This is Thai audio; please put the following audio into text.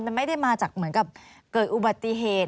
มันไม่ได้มาจากเหมือนกับเกิดอุบัติเหตุ